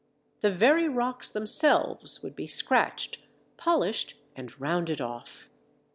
The very rocks themselves would be scratched, polished, and rounded off.